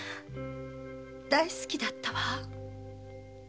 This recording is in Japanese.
大好きだったわ。